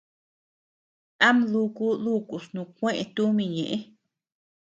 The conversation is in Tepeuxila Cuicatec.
Am duku dukus nukue tumi ñeʼe.